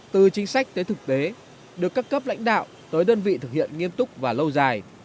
từ chính sách tới thực tế được các cấp lãnh đạo tới đơn vị thực hiện nghiêm túc và lâu dài